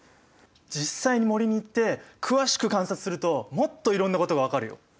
実際に森に行って詳しく観察するともっといろんなことが分かるよ。